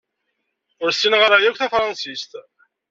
Ur ssineɣ ara yakk tafransist.